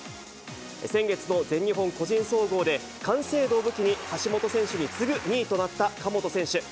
先月の全日本個人総合で、完成度を武器に橋本選手に次ぐ２位となった神本選手。